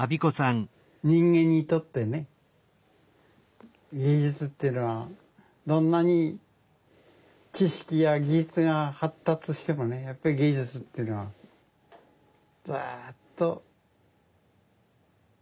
人間にとってね芸術っていうのはどんなに知識や技術が発達してもねやっぱり芸術っていうのはずっと。